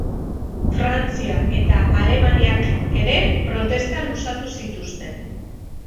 Frantzia eta Alemaniak ere protesta luzatu zituzten.